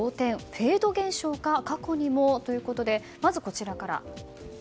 フェード現象か過去にもということでまず、こちらから。